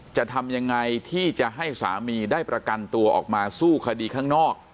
จะทำยังไงที่จะให้สามีได้ประกันตัวออกมาสู้คดีข้างนอก